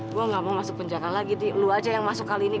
gue gak mau masuk penjagaan lagi nih lo aja yang masuk kali ini